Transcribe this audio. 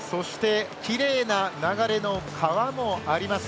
きれいな流れの川もあります。